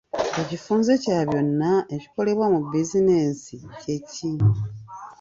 Ekifunze kya byonna ebikolebwa mu bizinensi kye ki?